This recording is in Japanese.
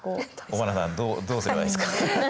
尾花さんどうすればいいですか？